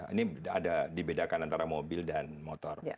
ini ada dibedakan antara mobil dan motor